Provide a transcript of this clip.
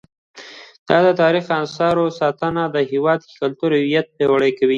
د تاریخي اثارو ساتنه د هیواد کلتوري هویت پیاوړی کوي.